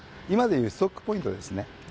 今でいう「ストックポイント」ですね。